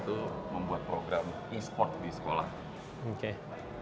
itu membuat program e sport di sekolah